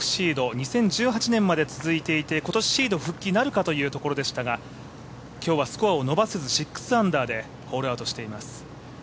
２０１８年まで続いていて今年シード復帰なるかというところでしたが、今日はスコアを伸ばせず６アンダーでホールアウトしています。